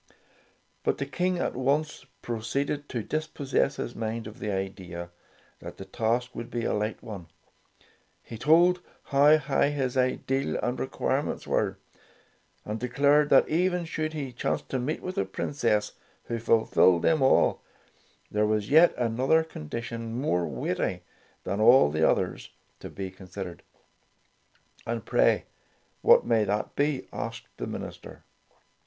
But the King at once proceeded to dis possess his mind of the idea that the task would be a light one. He told how high his ideal and requirements were, and de clared that even should he chance to meet with a Princess who fulfilled them all, there was yet another condition, more weighty than all the others, to be considered. Tales of Modern Germany 27 "And pray, what may that be?" asked the minister.